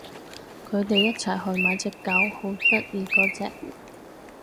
佢哋一齊去買隻狗，好得意嗰隻